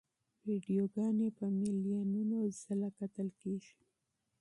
ویډیوګانې په میلیونو ځله کتل کېږي.